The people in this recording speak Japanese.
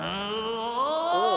おお。